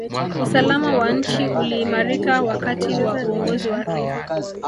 usalama wa nchi uliimarika wakati wa uongozi wake